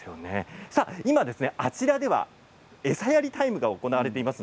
こちらでは餌やりタイムが行われています。